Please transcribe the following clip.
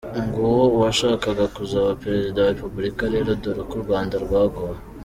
Nguwo uwashakaga kuzaba Perezida wa Repubulika rero dore ko u Rwanda rwagowe!